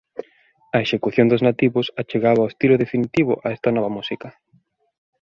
A execución dos nativos achegaba o estilo definitivo a esta nova música.